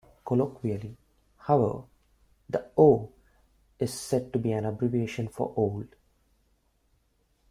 Colloquially, however, the O is said to be an abbreviation for old.